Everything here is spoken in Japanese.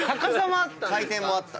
⁉回転もあった。